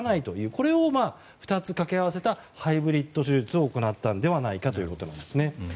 これを２つ掛け合わせたハイブリッド手術を行ったのではないかということなんですね。